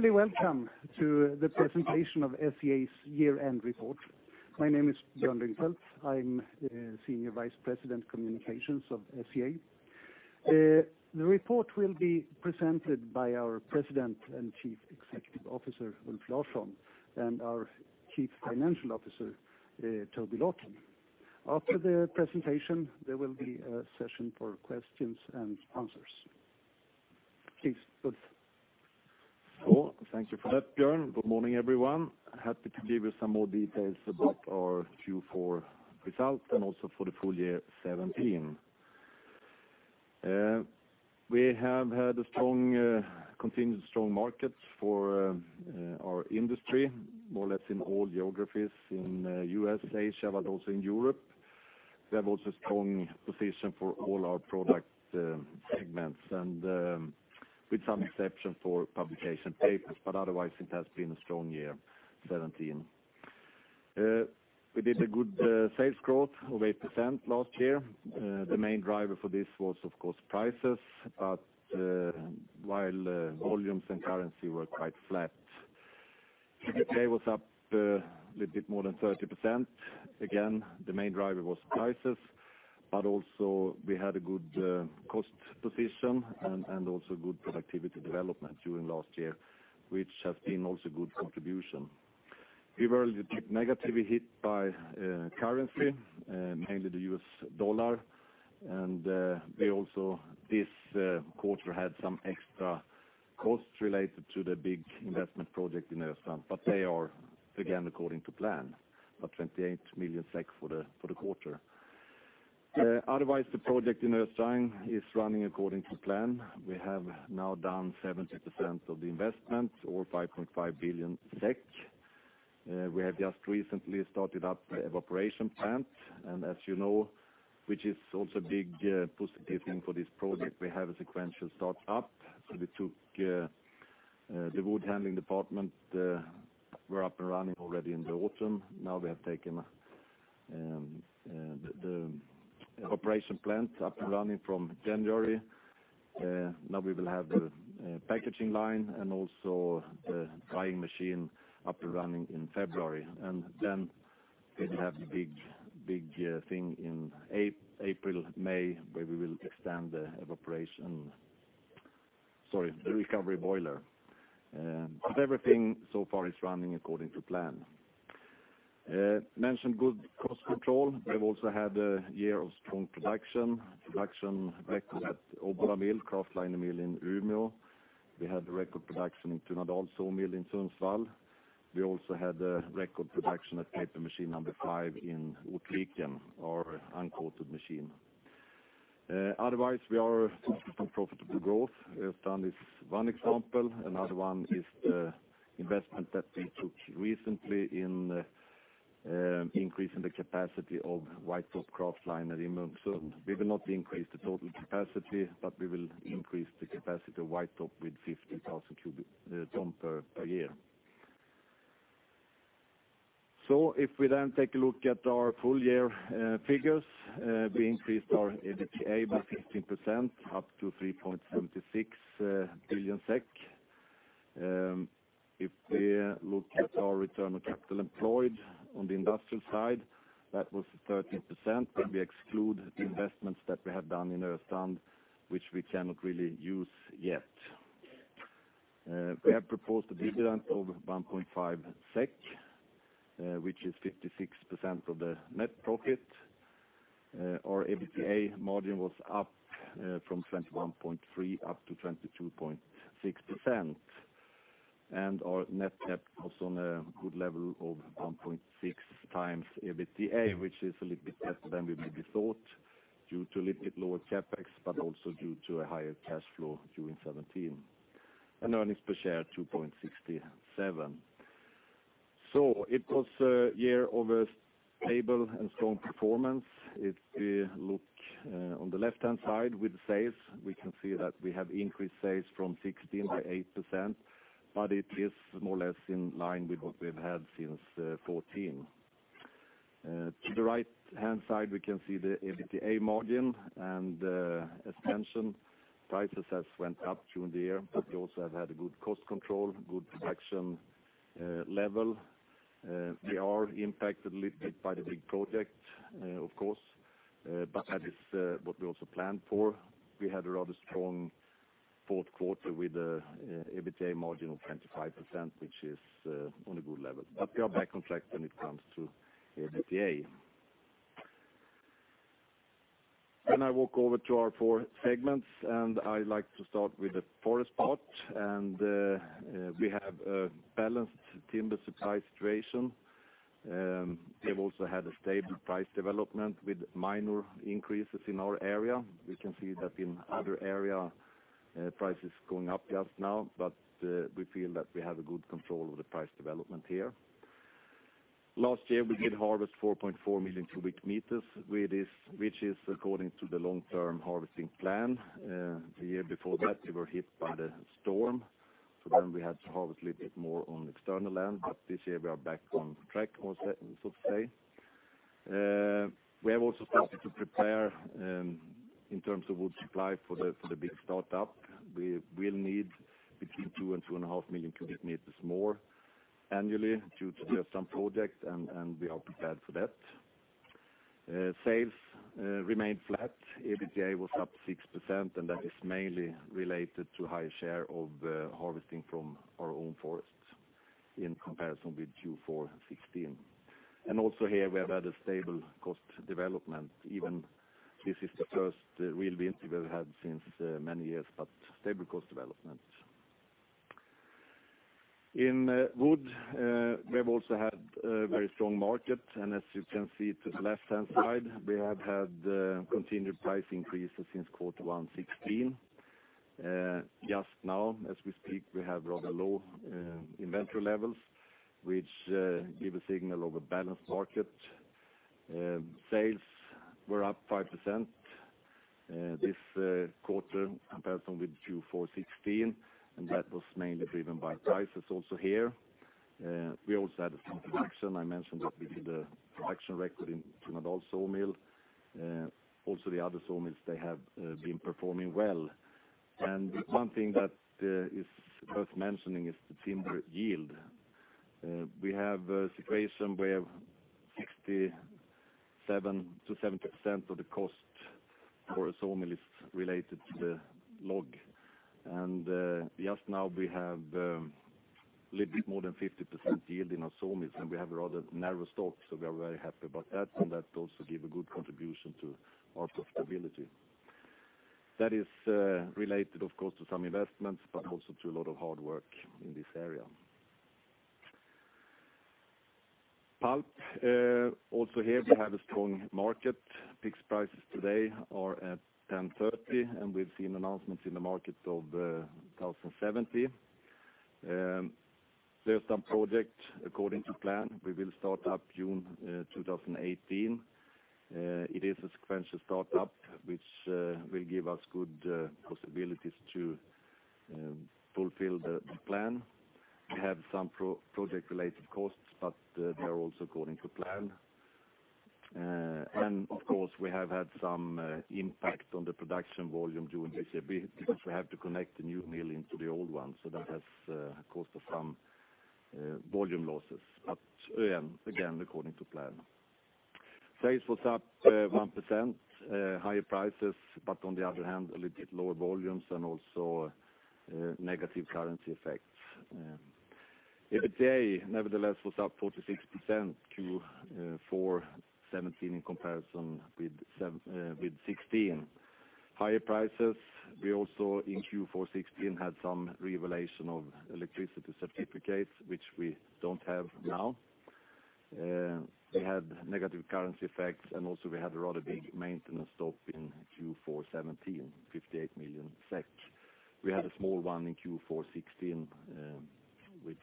Clearly, welcome to the presentation of SCA's year-end report. My name is Björn Lyngfelt. I am Senior Vice President, Communications of SCA. The report will be presented by our President and Chief Executive Officer, Ulf Larsson, and our Chief Financial Officer, Toby Lawton. After the presentation, there will be a session for questions and answers. Please, Ulf. Thank you for that, Björn. Good morning, everyone. Happy to give you some more details about our Q4 results, and also for the full year 2017. We have had a continued strong market for our industry, more or less in all geographies, in U.S., Asia, but also in Europe. We have also a strong position for all our product segments, and with some exception for publication papers, but otherwise, it has been a strong year 2017. We did a good sales growth of 8% last year. The main driver for this was, of course, prices, while volumes and currency were quite flat. EBITDA was up a little bit more than 30%. Again, the main driver was prices, but also we had a good cost position and also good productivity development during last year, which has been also a good contribution. We were a little bit negatively hit by currency, mainly the U.S. dollar. We also, this quarter, had some extra costs related to the big investment project in Östrand, but they are again according to plan, about 28 million SEK for the quarter. Otherwise, the project in Östrand is running according to plan. We have now done 70% of the investment, or 5.5 billion SEK. We have just recently started up the evaporation plant, and as you know, which is also a big positive thing for this project, we have a sequential start-up. We took the wood handling department, up and running already in the autumn. We have taken the evaporation plant up and running from January. We will have the packaging line and also the drying machine up and running in February. We will have the big thing in April, May, where we will extend the recovery boiler. Everything so far is running according to plan. We mentioned good cost control. We've also had a year of strong production. Production record at Obbola kraftliner mill in Umeå. We had a record production in Tunadal mill in Sundsvall. We also had a record production at paper machine number 5 in Ortviken, our uncoated machine. Otherwise, we are focused on profitable growth. Östrand is one example. Another one is the investment that we took recently in increasing the capacity of white top kraftliner at Östrand. We will not increase the total capacity, but we will increase the capacity of white top with 50,000 ton per year. If we take a look at our full year figures, we increased our EBITDA by 15%, up to 3.76 billion SEK. If we look at our return on capital employed on the industrial side, that was 13%, if we exclude the investments that we have done in Östrand, which we cannot really use yet. We have proposed a dividend of 1.5 SEK, which is 56% of the net profit. Our EBITDA margin was up from 21.3% up to 22.6%. Our net debt was on a good level of 1.6 times EBITDA, which is a little bit better than we maybe thought, due to a little bit lower CapEx, but also due to a higher cash flow during 2017. Earnings per share, 2.67. So it was a year of a stable and strong performance. If we look on the left-hand side with sales, we can see that we have increased sales from 2016 by 8%, but it is more or less in line with what we've had since 2014. To the right-hand side, we can see the EBITDA margin and expansion. Prices have went up during the year, but we also have had a good cost control, good production level. We are impacted a little bit by the big project, of course, but that is what we also planned for. We had a rather strong fourth quarter with an EBITDA margin of 25%, which is on a good level. We are back on track when it comes to EBITDA. I walk over to our four segments, and I like to start with the forest part, and we have a balanced timber supply situation. We've also had a stable price development with minor increases in our area. We can see that in other area, price is going up just now, but we feel that we have a good control over the price development here. Last year, we did harvest 4.4 million cubic meters, which is according to the long-term harvesting plan. We had to harvest a little bit more on external land, but this year we are back on track, so to say. We have also started to prepare in terms of wood supply for the big startup. We will need between two and two and a half million cubic meters more annually due to the Östrand project. We are prepared for that. Sales remained flat. EBITDA was up 6%. That is mainly related to high share of harvesting from our own forests in comparison with Q4 2016. Here we have had a stable cost development, even this is the first real winter we've had since many years, but stable cost development. In wood, we have also had a very strong market, and as you can see to the left-hand side, we have had continued price increases since Q1 2016. Just now, as we speak, we have rather low inventory levels, which give a signal of a balanced market. Sales were up 5% this quarter comparison with Q4 2016, and that was mainly driven by prices also here. We also had some production. I mentioned that we did a production record in sawmill. The other sawmills, they have been performing well. One thing that is worth mentioning is the timber yield. We have a situation where 67%-70% of the cost for a sawmill is related to the log, and just now we have a little bit more than 50% yield in our sawmills, and we have a rather narrow stock, so we are very happy about that, and that also give a good contribution to our profitability. That is related, of course, to some investments, but also to a lot of hard work in this area. Pulp, also here we have a strong market. Peak prices today are at 1,030, and we've seen announcements in the market of 1,070. Östrand project, according to plan, we will start up June 2018. It is a sequential startup, which will give us good possibilities to fulfill the plan. We have some project-related costs, but they are also according to plan. Of course, we have had some impact on the production volume during (HCB) because we have to connect the new mill into the old one, so that has caused us some volume losses. Again, according to plan. Sales was up 1%, higher prices, but on the other hand, a little bit lower volumes and also negative currency effects. EBITDA, nevertheless, was up 46% Q4 2017 in comparison with 2016. Higher prices. We also in Q4 2016 had some revaluation of electricity certificates, which we don't have now. We had negative currency effects, and also we had a rather big maintenance stop in Q4 2017, 58 million SEK. We had a small one in Q4 2016, which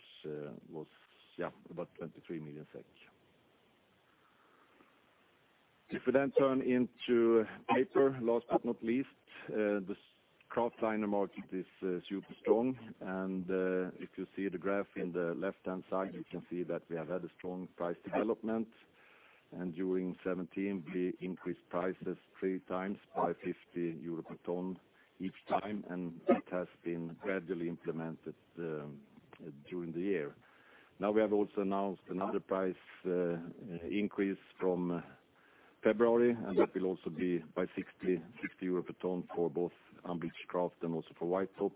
was about SEK 23 million. If we then turn into paper, last but not least, the kraftliner market is super strong. If you see the graph in the left-hand side, you can see that we have had a strong price development. During 2017, we increased prices 3 times by 50 euro per ton each time, and that has been gradually implemented during the year. Now we have also announced another price increase from February, and that will also be by 60 euro per ton for both unbleached kraft and also for white top,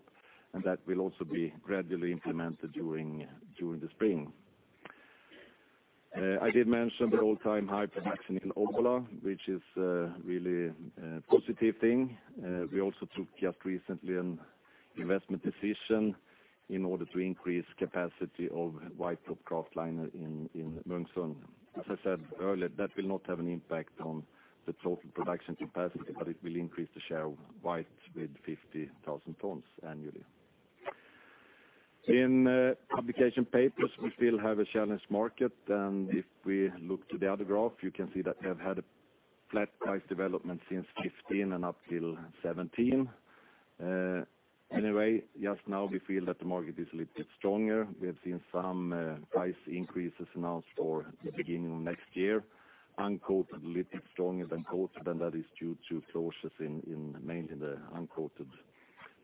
and that will also be gradually implemented during the spring. I did mention the all-time high production in Obbola, which is a really positive thing. We also took just recently an investment decision in order to increase capacity of white top kraftliner in Munksund. As I said earlier, that will not have an impact on the total production capacity, but it will increase the share of white with 50,000 tons annually. In publication papers, we still have a challenged market, if we look to the other graph, you can see that we have had a flat price development since 2015 and up till 2017. Anyway, just now we feel that the market is a little bit stronger. We have seen some price increases announced for the beginning of next year. Uncoated a little bit stronger than coated, and that is due to closures mainly in the uncoated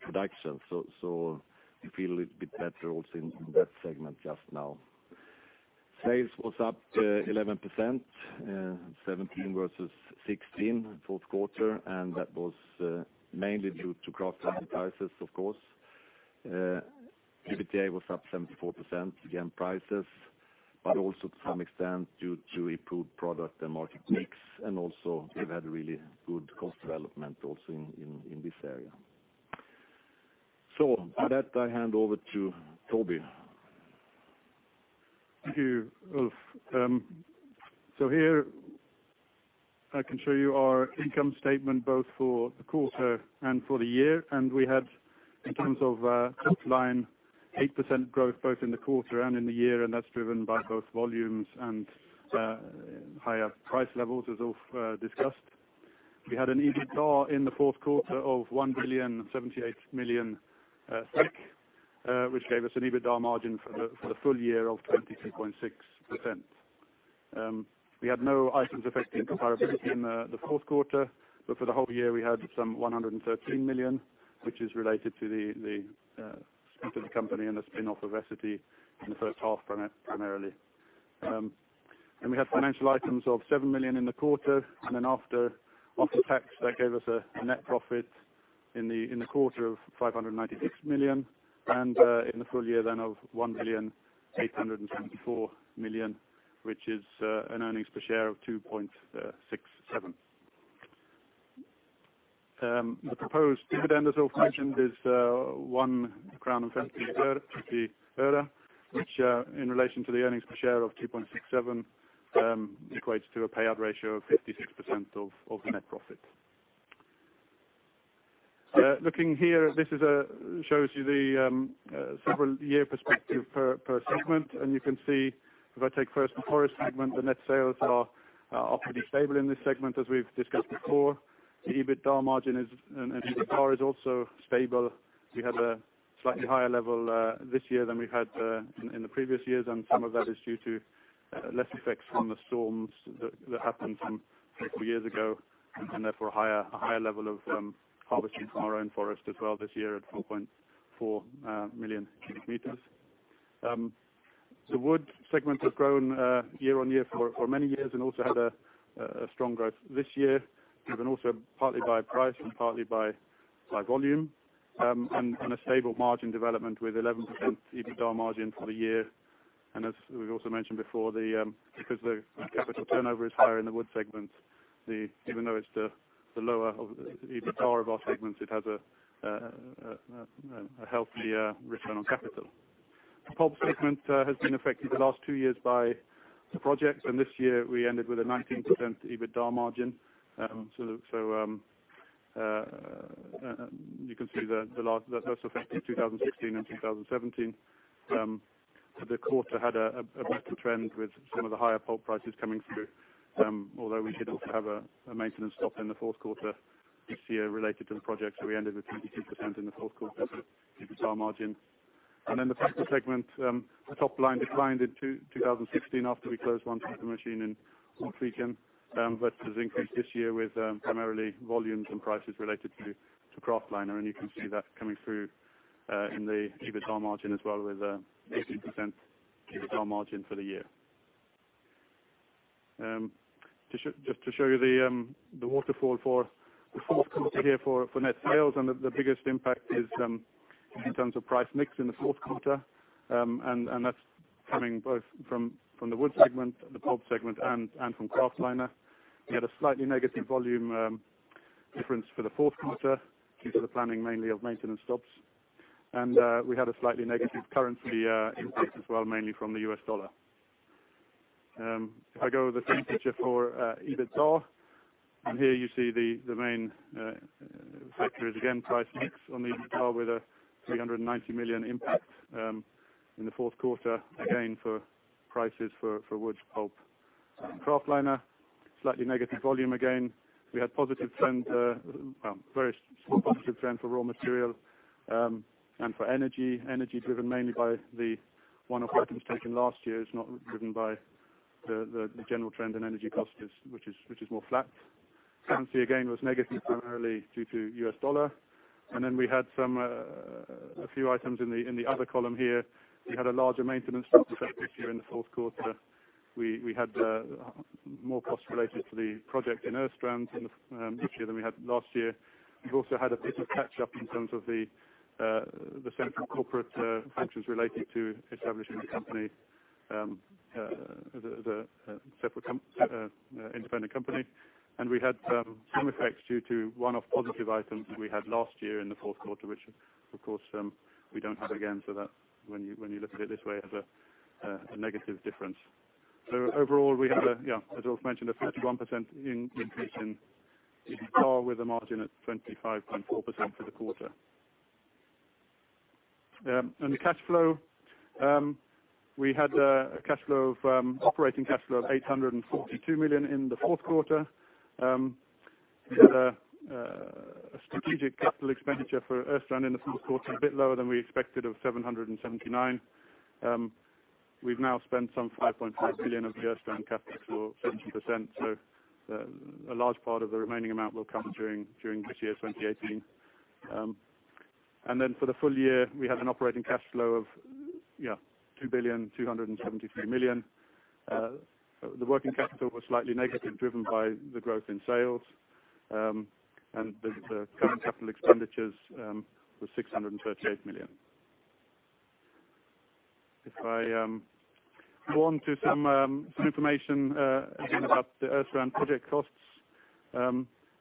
production. We feel a little bit better also in that segment just now. Sales was up 11%, 2017 versus 2016, fourth quarter, and that was mainly due to kraftliner prices, of course. EBITDA was up 74%, again, prices, but also to some extent due to improved product and market mix, and also we've had really good cost development also in this area. With that, I hand over to Toby. Thank you, Ulf. Here I can show you our income statement both for the quarter and for the year. We had, in terms of top line, 8% growth both in the quarter and in the year, and that's driven by both volumes and higher price levels, as Ulf discussed. We had an EBITDA in the fourth quarter of 1 billion SEK 78 million, which gave us an EBITDA margin for the full year of 22.6%. We had no items affecting comparability in the fourth quarter, but for the whole year, we had some 113 million, which is related to the spin of the company and the spin-off of Essity in the first half primarily. We had financial items of 7 million in the quarter, after tax, that gave us a net profit in the quarter of 596 million, in the full year of 1 billion 874 million, which is an EPS of 2.67. The proposed dividend, as Ulf mentioned, is 1.20 crown, which in relation to the EPS of 2.67, equates to a payout ratio of 56% of the net profit. Looking here, this shows you the several year perspective per segment. You can see if I take first the forest segment, the net sales are awfully stable in this segment, as we've discussed before. The EBITDA margin is also stable. We had a slightly higher level this year than we had in the previous years, and some of that is due to less effects from the storms that happened some 3, 4 years ago, and therefore a higher level of harvesting from our own forest as well this year at 4.4 million cubic meters. The wood segment has grown year-over-year for many years and also had a strong growth this year. Driven also partly by price and partly by volume, a stable margin development with 11% EBITDA margin for the year. As we've also mentioned before, because the capital turnover is higher in the wood segment, even though it's the lower of the EBITDA of our segments, it has a healthy return on capital employed. The pulp segment has been affected the last 2 years by the project, this year we ended with a 19% EBITDA margin. You can see the last effect in 2016 and 2017. The quarter had a better trend with some of the higher pulp prices coming through. Although we did also have a maintenance stop in the fourth quarter this year related to the project. We ended with 52% in the fourth quarter EBITDA margin. The paper segment. Top line declined in 2016 after we closed 1 paper machine in Ortviken. Has increased this year with primarily volumes and prices related to kraftliner. You can see that coming through in the EBITDA margin as well with 18% EBITDA margin for the year. Just to show you the waterfall for the fourth quarter here for net sales, the biggest impact is in terms of price mix in the fourth quarter. That's coming both from the wood segment, the pulp segment, and from kraftliner. We had a slightly negative volume difference for the fourth quarter due to the planning mainly of maintenance stops. We had a slightly negative currency impact as well, mainly from the US dollar. If I go the same picture for EBITDA, here you see the main factor is again price mix on the EBITDA with a 390 million impact in the fourth quarter, again for prices for wood pulp and kraftliner. Slightly negative volume again. We had a very small positive trend for raw material. For energy driven mainly by the one-off items taken last year. It's not driven by the general trend in energy costs which is more flat. Currency again was negative primarily due to US dollar. We had a few items in the other column here. We had a larger maintenance stop effect this year in the fourth quarter. We had more costs related to the project in Östrand this year than we had last year. We've also had a bit of catch up in terms of the central corporate functions related to establishing the company as an independent company. We had some effects due to one-off positive items that we had last year in the fourth quarter, which of course we don't have again. When you look at it this way, has a negative difference. Overall, we have, as Ulf mentioned, a 31% increase in EBITDA with a margin of 25.4% for the quarter. The cash flow. We had an operating cash flow of 842 million in the fourth quarter. We had a strategic capital expenditure for Östrand in the fourth quarter, a bit lower than we expected, of 779 million. We've now spent some 5.5 billion of the Östrand capital, 70%. A large part of the remaining amount will come during this year, 2018. For the full year, we had an operating cash flow of 2,273 million. The working capital was slightly negative, driven by the growth in sales. The current capital expenditures were 638 million. If I go on to some information again about the Östrand project costs.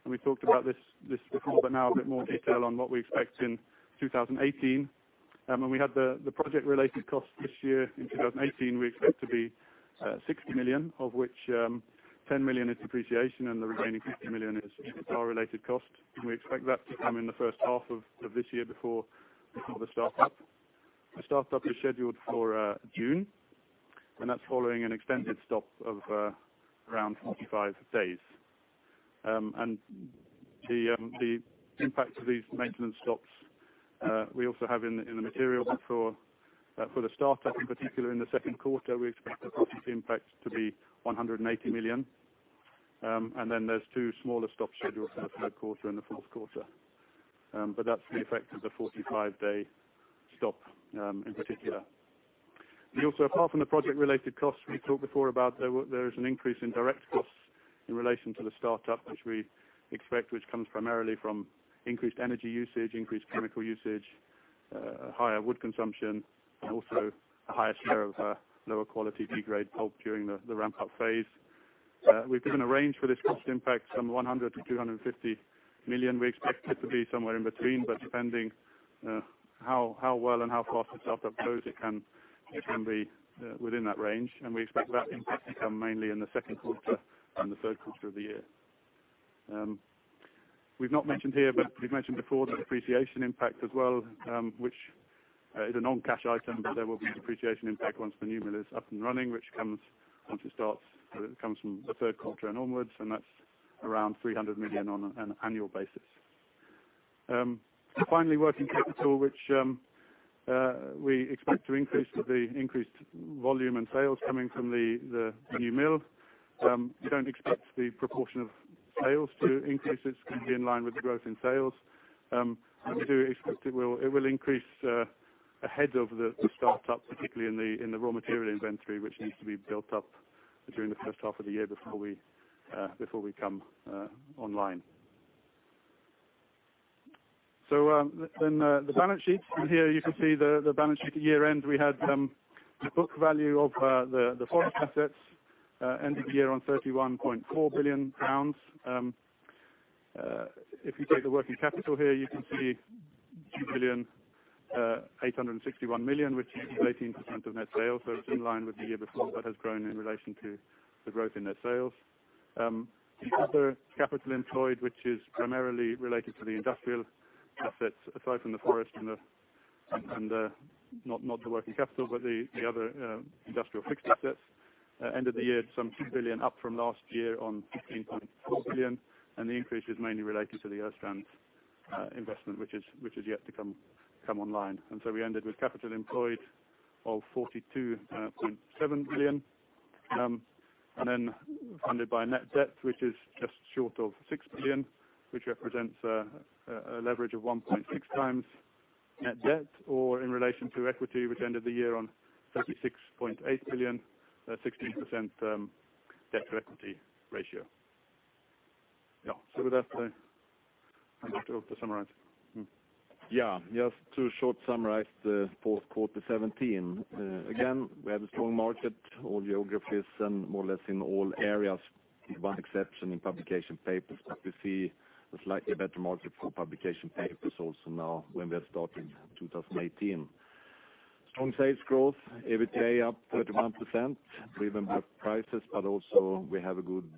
We talked about this before, but now a bit more detail on what we expect in 2018. We had the project related costs this year. In 2018, we expect to be 60 million, of which 10 million is depreciation and the remaining 50 million is EBITDA-related cost. We expect that to come in the first half of this year before the start-up. The start-up is scheduled for June. That's following an extended stop of around 45 days. The impact of these maintenance stops, we also have in the material. For the startup, in particular in the second quarter, we expect the cost impact to be 180 million. There's two smaller stops scheduled for the third quarter and the fourth quarter. That's the effect of the 45-day stop in particular. Apart from the project-related costs we talked before about, there is an increase in direct costs in relation to the startup, which we expect, which comes primarily from increased energy usage, increased chemical usage, higher wood consumption, and also a higher share of lower quality B-grade pulp during the ramp-up phase. We've given a range for this cost impact from 100 million-250 million. We expect it to be somewhere in between, but depending how well and how fast the startup goes, it can be within that range. We expect that impact to come mainly in the second quarter and the third quarter of the year. We've not mentioned here, but we've mentioned before the depreciation impact as well, which is a non-cash item, but there will be a depreciation impact once the new mill is up and running, which comes once it starts. It comes from the third quarter and onwards, and that's around 300 million on an annual basis. Finally, working capital, which we expect to increase with the increased volume and sales coming from the new mill. We don't expect the proportion of sales to increase. It's going to be in line with the growth in sales. We do expect it will increase ahead of the startup, particularly in the raw material inventory, which needs to be built up during the first half of the year before we come online. The balance sheet. From here you can see the balance sheet at year end. We had the book value of the forest assets ending the year on SEK 31.4 billion. If you take the working capital here, you can see 2,861 million, which is 18% of net sales. It's in line with the year before, but has grown in relation to the growth in net sales. The other capital employed, which is primarily related to the industrial assets, aside from the forest and not the working capital, but the other industrial fixed assets, end of the year, some 2 billion, up from last year on 15.4 billion, and the increase is mainly related to the Östrand investment, which is yet to come online. We ended with capital employed of 42.7 billion. Funded by net debt, which is just short of 6 billion, which represents a leverage of 1.6 times net debt. Or in relation to equity, which ended the year on 36.8 billion at 16% debt to equity ratio. With that, I hand over to summarize. Just to short summarize the Q4 2017. We had a strong market, all geographies and more or less in all areas, with one exception in publication papers. We see a slightly better market for publication papers also now when we are starting 2018. Strong sales growth, EBITDA up 31%, driven by prices, but also we have a good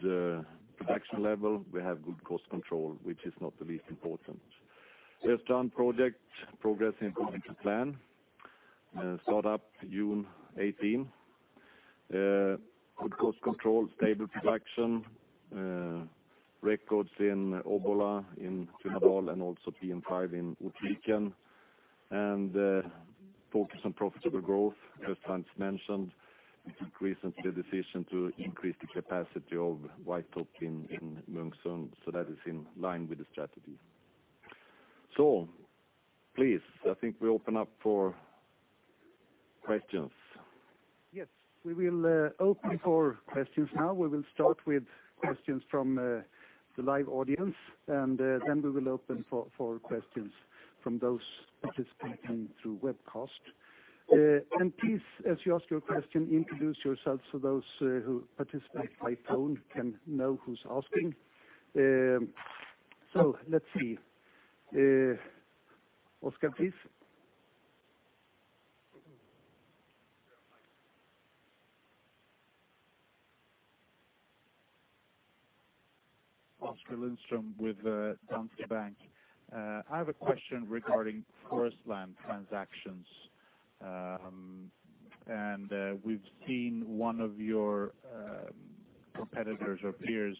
production level. We have good cost control, which is not the least important. Östrand project progressing according to plan. Start up June 2018. Good cost control, stable production. Records in Obbola, in Tunadal, and also PM5 in Ortviken. Focus on profitable growth, as has been mentioned. Recently, the decision to increase the capacity of white top in Munksund. That is in line with the strategy. Please, I think we open up for questions. Yes. We will open for questions now. We will start with questions from the live audience, then we will open for questions from those participating through webcast. Please, as you ask your question, introduce yourself so those who participate by phone can know who's asking. Let's see. Oskar, please. Oskar Lindström with Danske Bank. I have a question regarding forest land transactions. We've seen one of your competitors or peers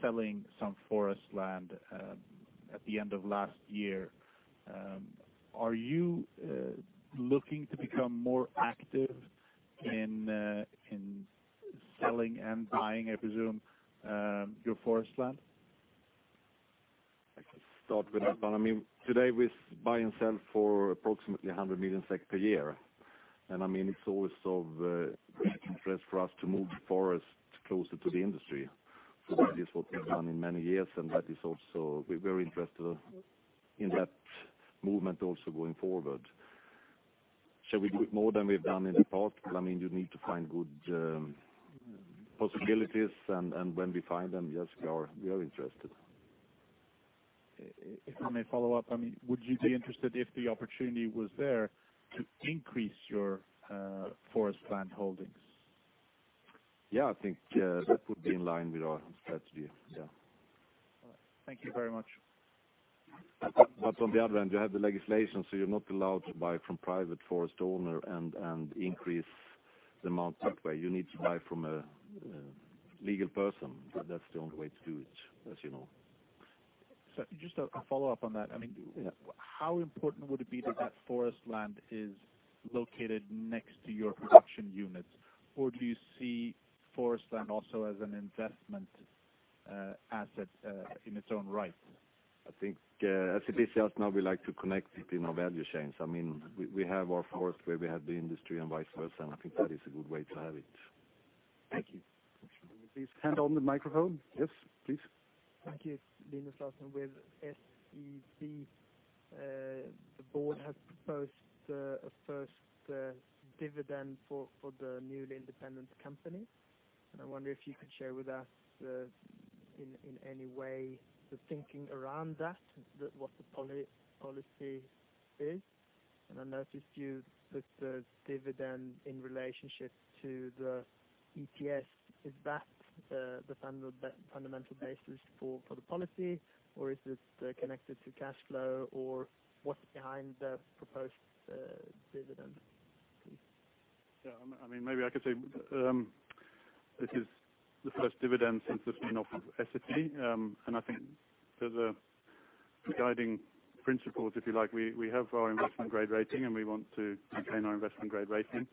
selling some forest land at the end of last year. Are you looking to become more active in selling and buying, I presume, your forest land? I can start with that one. Today we buy and sell for approximately 100 million SEK per year. It's always of great interest for us to move the forest closer to the industry. That is what we've done in many years, and we're very interested in that movement also going forward. Shall we do it more than we've done in the past? You need to find good possibilities, and when we find them, yes, we are interested. If I may follow up. Would you be interested if the opportunity was there to increase your forest land holdings? Yeah, I think that would be in line with our strategy. Yeah. Thank you very much. On the other end, you have the legislation, so you're not allowed to buy from private forest owner and increase the amount that way. You need to buy from a legal person. That's the only way to do it, as you know. Just a follow-up on that. Yeah. How important would it be that that forest land is located next to your production units? Or do you see forest land also as an investment asset in its own right? I think as it is just now, we like to connect it in our value chains. We have our forest where we have the industry and vice versa, I think that is a good way to have it. Thank you. Please hand on the microphone. Yes, please. Thank you. Linus Larsson with SEB. The board has proposed a first dividend for the newly independent company, I wonder if you could share with us in any way the thinking around that, what the policy is. I noticed you put the dividend in relationship to the EPS. Is that the fundamental basis for the policy, or is this connected to cash flow, or what's behind the proposed dividend, please? Maybe I could say this is the first dividend since the spin-off of SCA, I think the guiding principles, if you like, we have our investment grade rating, we want to maintain our investment grade rating.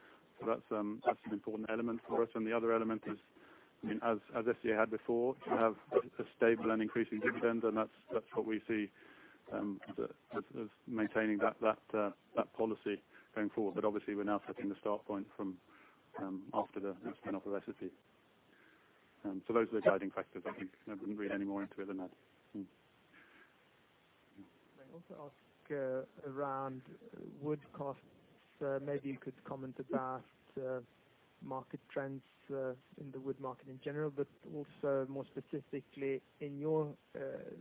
That's an important element for us, the other element is, as SCA had before, to have a stable and increasing dividend, that's what we see, maintaining that policy going forward. Obviously we're now setting the start point from after the spin-off of SCA. Those are the guiding factors, I think. I wouldn't read any more into it than that. May I also ask around wood costs, maybe you could comment about market trends in the wood market in general, but also more specifically in your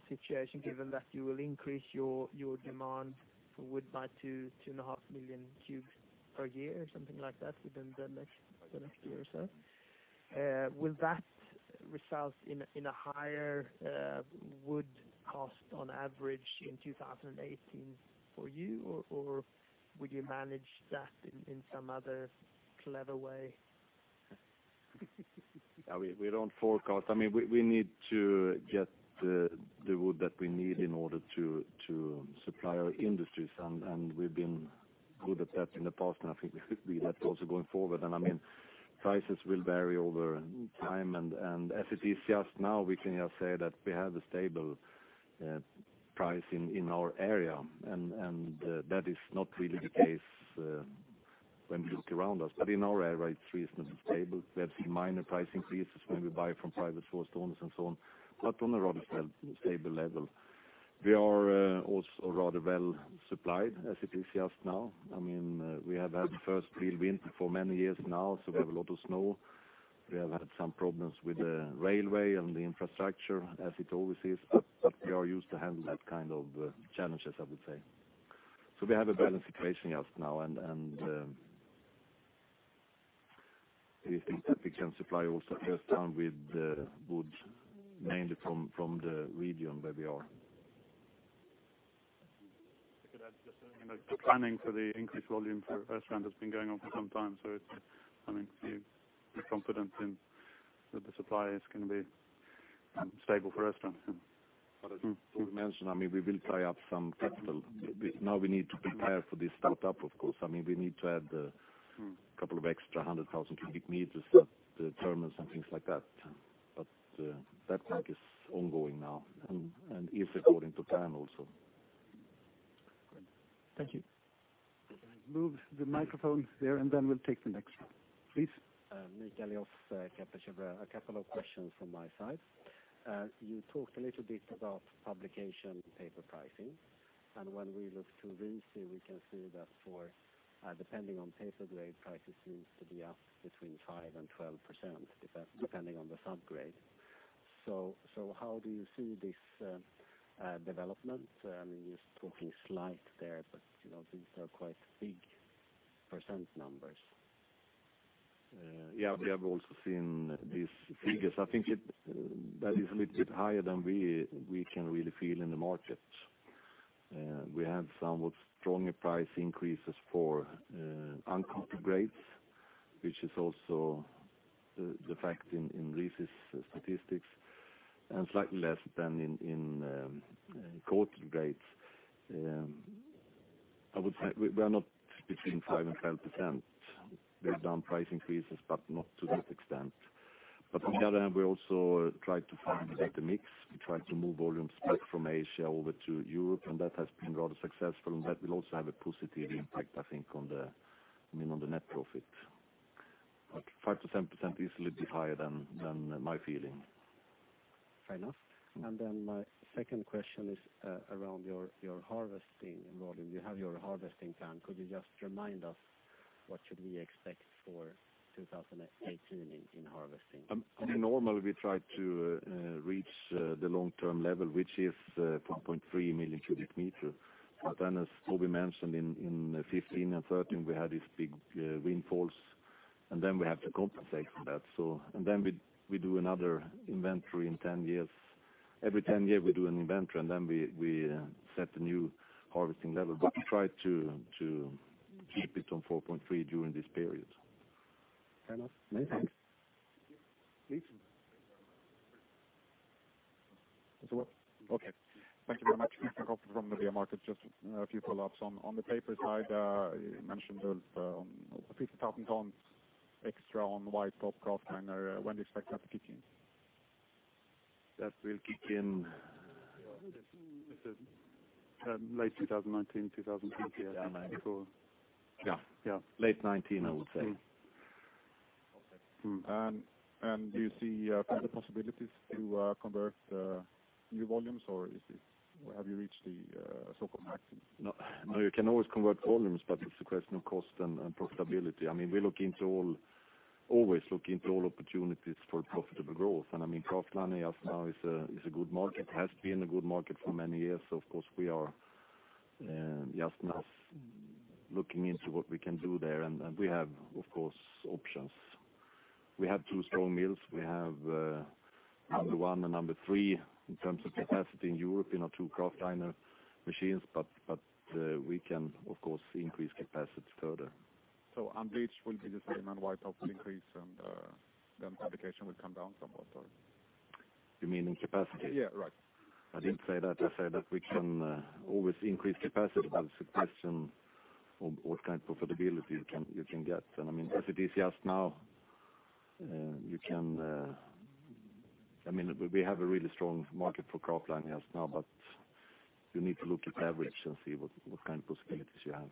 situation, given that you will increase your demand for wood by 2.5 million cubes per year or something like that within the next year or so. Will that result in a higher wood cost on average in 2018 for you, or will you manage that in some other clever way? We don't forecast. We need to get the wood that we need in order to supply our industries, we've been good at that in the past, I think we will be good at it also going forward. Prices will vary over time, as it is just now, we can just say that we have a stable price in our area, that is not really the case when we look around us. But in our area, it's reasonably stable. We have seen minor price increases when we buy from private source owners and so on, but on a rather stable level. We are also rather well supplied as it is just now. We have had the first real winter for many years now, so we have a lot of snow. We have had some problems with the railway and the infrastructure, as it always is, we are used to handle that kind of challenges, I would say. We have a balanced situation just now, and we think that we can supply also [inaudible] with the wood mainly from the region where we are. If I could add just the planning for the increased volume for [inaudible] has been going on for some time, we're confident in that the supply is going to be stable for. [inaudible] As Toby mentioned, we will tie up some capital. Now we need to prepare for this build-up, of course. We need to add a couple of extra 100,000 cubic meters at the terminals and things like that. That work is ongoing now and is according to plan also. Great. Thank you. Move the microphone there, then we'll take the next one. Please. Nick Elios, Kepler Cheuvreux. A couple of questions from my side. You talked a little bit about publication paper pricing, and when we look to RISI, we can see that depending on paper grade, pricing seems to be up between 5% and 12%, depending on the subgrade. How do you see this development? You're talking slight there, these are quite big percent numbers. Yeah. We have also seen these figures. I think that is a little bit higher than we can really feel in the market. We have somewhat stronger price increases for uncoated grades, which is also the fact in RISI's statistics, and slightly less than in coated grades. I would say we are not between 5% and 12%. We've done price increases, not to that extent. On the other hand, we also tried to find a better mix. We tried to move volumes back from Asia over to Europe, and that has been rather successful, and that will also have a positive impact, I think, on the net profit. 5%-10% is a little bit higher than my feeling. Fair enough. My second question is around your harvesting volume. You have your harvesting plan. Could you just remind us what should we expect for 2018 in harvesting? Normally, we try to reach the long-term level, which is 1.3 million cubic meters. As Toby mentioned, in 2015 and 2013, we had these big windfalls. We have to compensate for that. We do another inventory in 10 years. Every 10 years we do an inventory, and then we set a new harvesting level. We try to keep it on 4.3 during this period. Fair enough. Anything? Please. Mr. Wall. Okay. Thank you very much. Christian Kohl from Berenberg. Just a few follow-ups. On the paper side, you mentioned those 50,000 tons extra on the white top kraftliner. When do you expect that to kick in? That will kick in. Late 2019, 2020. Yeah. Yeah. Late '19, I would say. Okay. Do you see further possibilities to convert new volumes? Or have you reached the so-called maximum? No, you can always convert volumes, but it's a question of cost and profitability. We always look into all opportunities for profitable growth. kraftliner just now is a good market, has been a good market for many years. Of course, we are just now looking into what we can do there. We have, of course, options. We have two strong mills. We have number one and number three in terms of capacity in Europe, two kraftliner machines. We can, of course, increase capacity further. unbleached will be the same and white top increase, (application) will come down somewhat. You mean in capacity? Yeah, right. I didn't say that. I said that we can always increase capacity, but it's a question of what kind of profitability you can get. As it is now, we have a really strong market for kraftliner just now, but you need to look at average and see what kind of possibilities you have.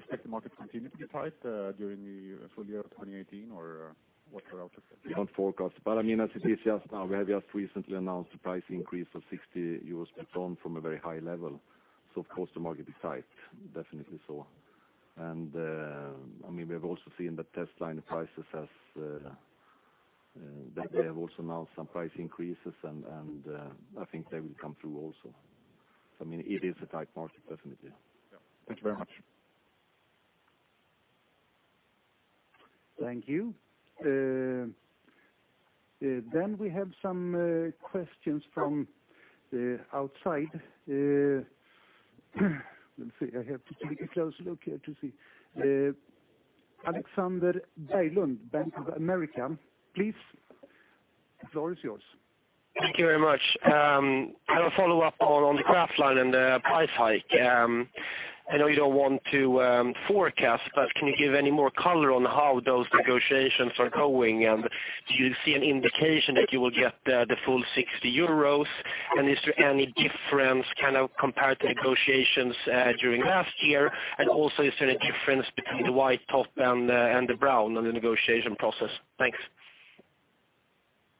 You expect the market to continue to get tight during the full year of 2018, or what's your outlook there? We don't forecast. As it is just now, we have just recently announced a price increase of 60 euros per ton from a very high level. Of course, the market is tight, definitely so. We have also seen that testliner prices have also now some price increases, and I think they will come through also. It is a tight market, definitely. Yeah. Thank you very much. Thank you. We have some questions from outside. Let me see. I have to take a close look here to see. Alexander Bylund, Bank of America. Please, the floor is yours. Thank you very much. I have a follow-up on the kraftliner and the price hike. I know you don't want to forecast, but can you give any more color on how those negotiations are going? Do you see an indication that you will get the full 60 euros? Is there any difference compared to negotiations during last year? Also, is there a difference between the white top and the brown on the negotiation process? Thanks.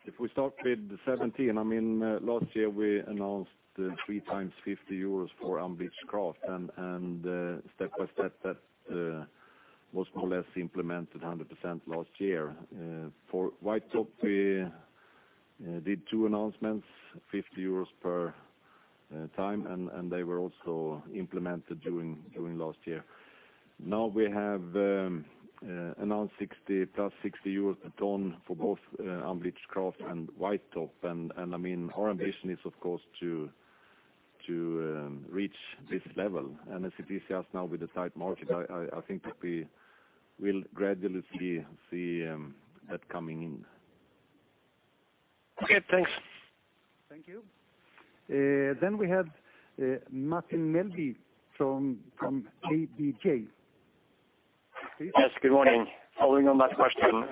If we start with the 2017, last year we announced 3 times 50 euros for unbleached kraft, and step by step, that was more or less implemented 100% last year. For white top, we did 2 announcements, 50 euros per time, and they were also implemented during last year. Now we have announced plus 60 euros per ton for both unbleached kraft and white top. Our ambition is, of course, to reach this level. As it is just now with the tight market, I think that we will gradually see that coming in. Okay, thanks. Thank you. We have Martin Melbye from ABG. Please. Yes, good morning. Following on that question,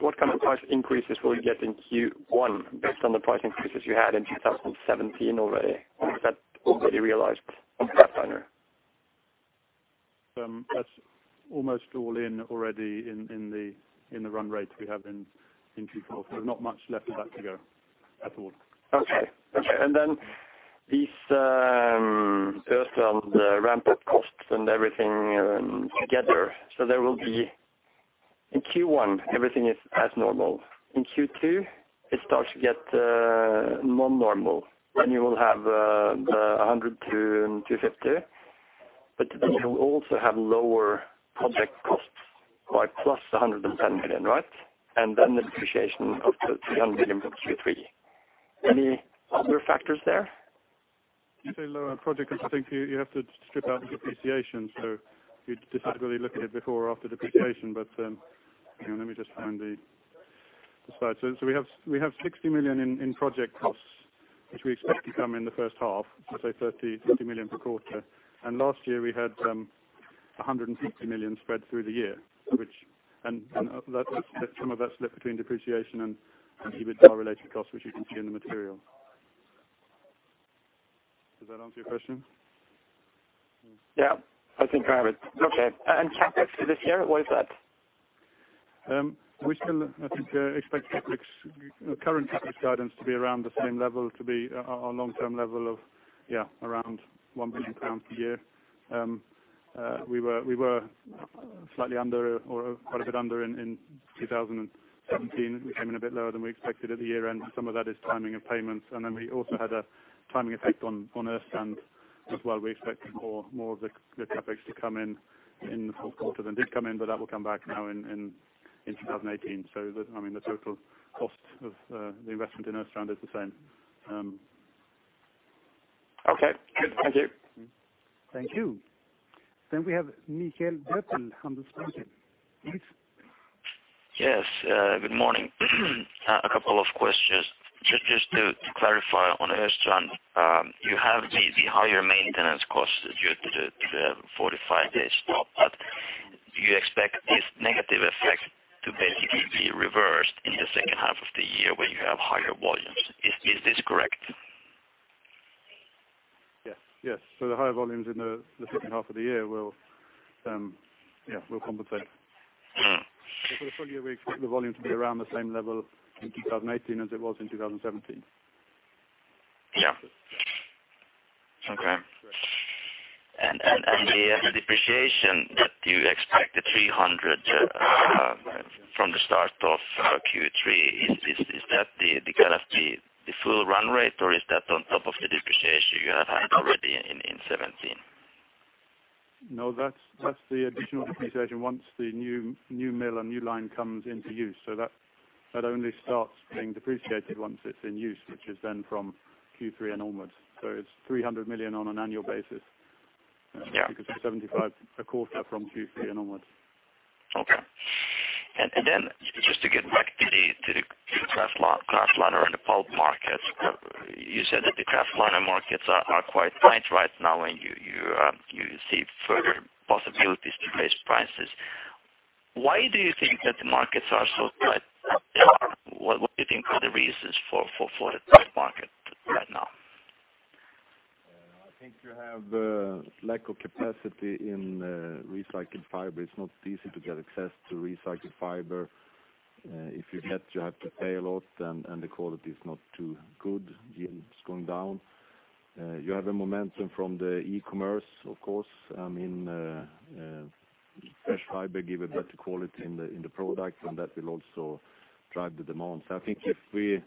what kind of price increases will you get in Q1 based on the price increases you had in 2017 already? Is that already realized on kraftliner? That's almost all in already in the run rate we have in Q4. There's not much left of that to go at all. Okay. These Östrand ramp-up costs and everything together. There will be, in Q1, everything is as normal. In Q2, it starts to get more normal. You will have 100 million-250 million, you will also have lower project costs by + 110 million, right? The depreciation of the 300 million from Q3. Any other factors there? You say lower project costs. I think you have to strip out the depreciation. It just really look at it before or after depreciation. Let me just find the slide. We have 60 million in project costs, which we expect to come in the first half. Say 30 million per quarter. Last year, we had 150 million spread through the year. Some of that split between depreciation and EBITDA-related costs, which you can see in the material. Does that answer your question? Yeah, I think I have it. Okay. CapEx for this year, where is that? We still, I think, expect our current CapEx guidance to be around the same level, to be our long-term level of around SEK 1 billion a year. We were slightly under or quite a bit under in 2017. We came in a bit lower than we expected at the year-end. Some of that is timing of payments. We also had a timing effect on Östrand as well, we expect more of the CapEx to come in the fourth quarter than did come in, but that will come back now in 2018. The total cost of the investment in Östrand is the same. Okay, good. Thank you. Thank you. We have Mikael Bertil from DNB. Please. Yes. Good morning. A couple of questions. Just to clarify on Ostrand, you have the higher maintenance costs due to the 45-day stop. Do you expect this negative effect to basically be reversed in the second half of the year when you have higher volumes? Is this correct? Yes. The higher volumes in the second half of the year will compensate. For the full year, we expect the volume to be around the same level in 2018 as it was in 2017. Yeah. Okay. The depreciation that you expect, the 300 million from the start of Q3, is that the full run rate? Or is that on top of the depreciation you have had already in 2017? No, that's the additional depreciation once the new mill and new line comes into use. That only starts being depreciated once it's in use, which is then from Q3 and onwards. It's 300 million on an annual basis. Yeah. You can say 75 a quarter from Q3 and onwards. Okay. Just to get back to the kraftliner and the pulp markets, you said that the kraftliner markets are quite tight right now, and you see further possibilities to raise prices. Why do you think that the markets are so tight? What do you think are the reasons for the tight market right now? I think you have a lack of capacity in recycled fiber. It's not easy to get access to recycled fiber. If you get, you have to pay a lot, and the quality is not too good. Yield is going down. You have a momentum from the e-commerce, of course, in fresh fiber give a better quality in the product, and that will also drive the demand. I think if we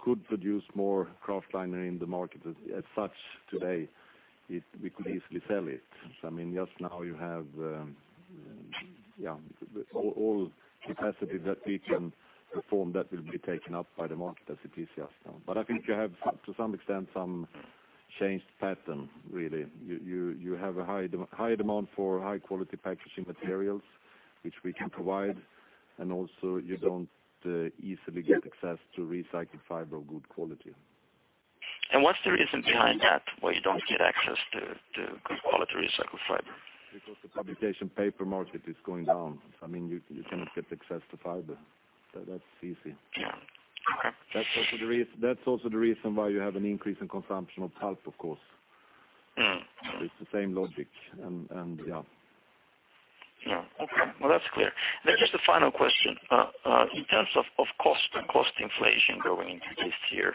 could produce more kraftliner in the market as such today, we could easily sell it. Just now you have all capacity that we can perform that will be taken up by the market as it is just now. I think you have to some extent some changed pattern, really. You have a high demand for high-quality packaging materials, which we can provide, and also you don't easily get access to recycled fiber of good quality. What's the reason behind that, why you don't get access to good quality recycled fiber? The publication paper market is going down. You cannot get access to fiber. That's easy. Yeah. Okay. That's also the reason why you have an increase in consumption of pulp, of course. It's the same logic. Yeah. Okay. Well, that's clear. Just a final question. In terms of cost and cost inflation going into this year,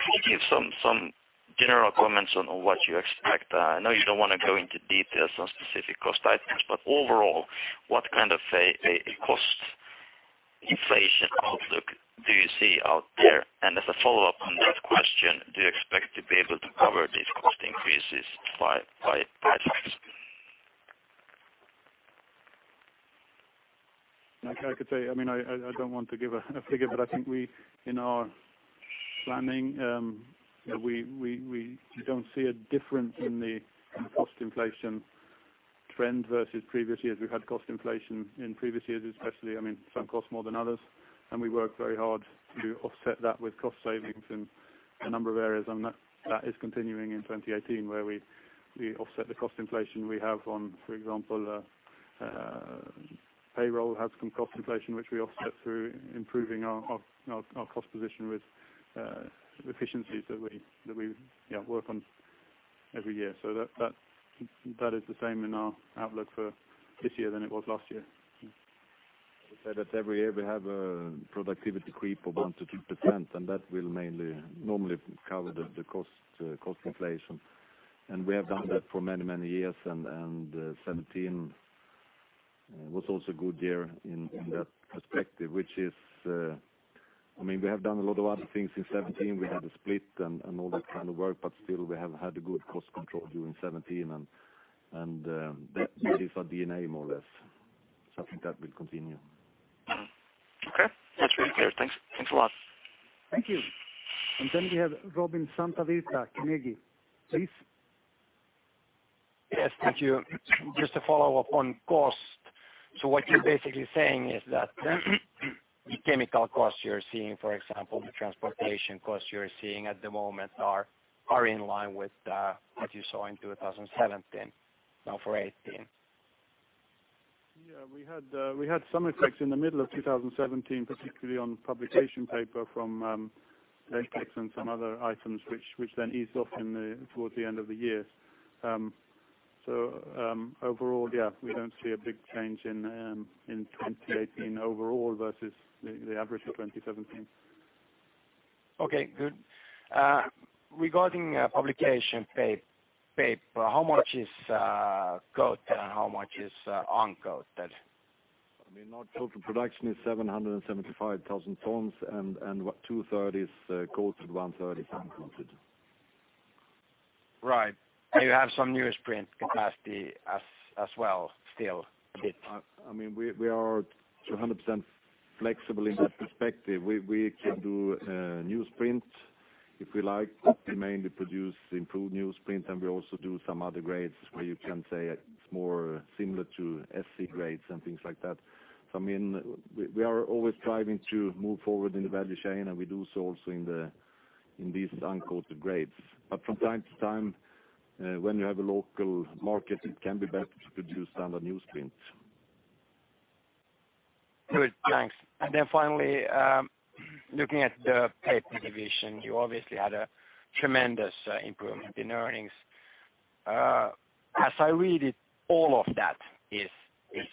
can you give some general comments on what you expect? I know you don't want to go into details on specific cost items, but overall, what kind of a cost inflation outlook do you see out there? As a follow-up on that question, do you expect to be able to cover these cost increases by price? I could say, I don't want to give a figure, but I think we, in our planning, we don't see a difference in the cost inflation trend versus previous years. We've had cost inflation in previous years, especially, some cost more than others. We work very hard to offset that with cost savings in a number of areas, and that is continuing in 2018, where we offset the cost inflation we have on, for example, payroll has some cost inflation, which we offset through improving our cost position with efficiencies that we work on every year. That is the same in our outlook for this year than it was last year. I say that every year we have a productivity creep of 1% to 2%, that will mainly normally cover the cost inflation. We have done that for many, many years, and 2017 was also a good year in that perspective. We have done a lot of other things in 2017. We had a split and all that kind of work, still we have had good cost control during 2017, and that is our DNA, more or less. I think that will continue. Okay. That's very clear. Thanks a lot. Thank you. We have Robin Santavirta, Carnegie. Please. Yes. Thank you. Just a follow-up on cost. What you're basically saying is that the chemical costs you're seeing, for example, the transportation costs you're seeing at the moment are in line with what you saw in 2017, now for 2018. We had some effects in the middle of 2017, particularly on publication paper from caustic and some other items, which then eased off towards the end of the year. Overall, yeah, we don't see a big change in 2018 overall versus the average of 2017. Okay, good. Regarding publication paper, how much is coated and how much is uncoated? Our total production is 775,000 tons, two-thirds is coated, one-third is uncoated. Right. You have some newsprint capacity as well, still a bit? We are 200% flexible in that perspective. We can do newsprint if we like. We mainly produce improved newsprint, and we also do some other grades where you can say it's more similar to SC-A grades and things like that. We are always striving to move forward in the value chain, and we do so also in these uncoated grades. From time to time, when you have a local market, it can be better to produce standard newsprint. Good. Thanks. Finally, looking at the Paper division, you obviously had a tremendous improvement in earnings. As I read it, all of that is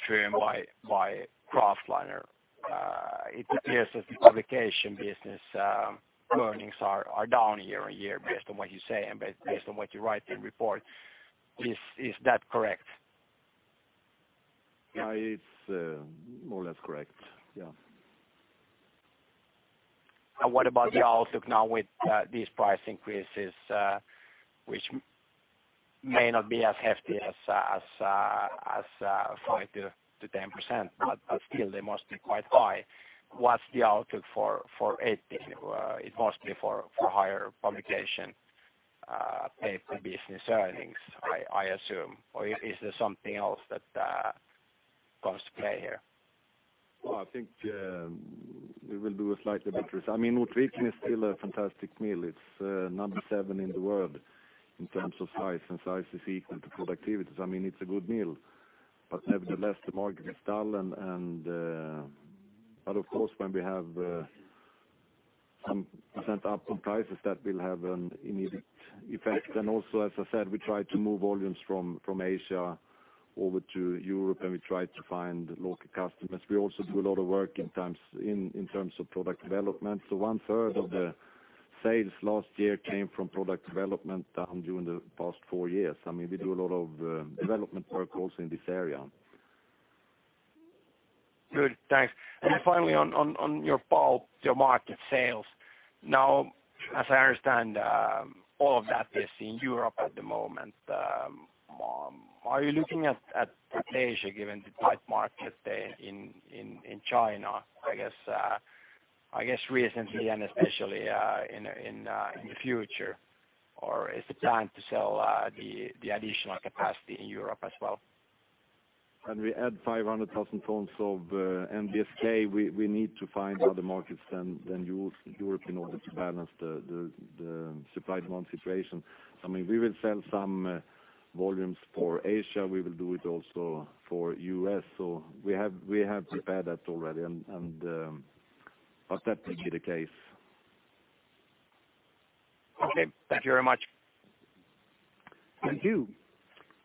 driven by kraftliner. It appears that the publication business earnings are down year-on-year based on what you say, and based on what you write in the report. Is that correct? It's more or less correct. Yeah. What about the outlook now with these price increases, which may not be as hefty as 5%-10%, still, they must be quite high. What's the outlook for it? It must be for higher publication Paper business earnings, I assume. Is there something else that comes to play here? Well, I think we will do a slightly better Ortviken is still a fantastic mill. It's number 7 in the world in terms of size, and size is equal to productivity. So it's a good mill. Nevertheless, the market is dull, but of course, when we have some % up on prices, that will have an immediate effect. Also, as I said, we try to move volumes from Asia over to Europe, and we try to find local customers. We also do a lot of work in terms of product development. One-third of the sales last year came from product development done during the past four years. We do a lot of development work also in this area. Good. Thanks. Finally, on your pulp, your market sales. As I understand, all of that is in Europe at the moment. Are you looking at Asia given the tight market there in China, I guess recently and especially in the future? Is it time to sell the additional capacity in Europe as well? When we add 500,000 tons of NBSK, we need to find other markets than Europe in order to balance the supply demand situation. We will sell some volumes for Asia. We will do it also for U.S. We have prepared that already, but that will be the case. Okay. Thank you very much. Thank you.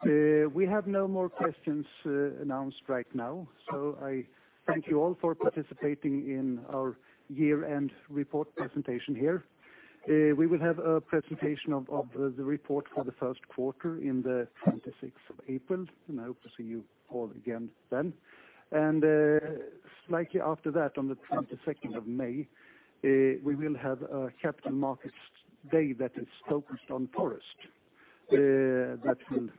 We have no more questions announced right now, so I thank you all for participating in our year-end report presentation here. We will have a presentation of the report for the first quarter on the 26th of April, and I hope to see you all again then. Slightly after that, on the 22nd of May, we will have a Capital Markets Day that is focused on forest. That will be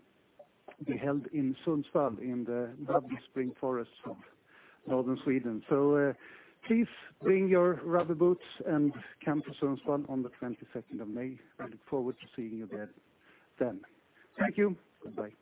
held in Sundsvall in the lovely spring forest of Northern Sweden. Please bring your rubber boots and come to Sundsvall on the 22nd of May. I look forward to seeing you there then. Thank you. Goodbye.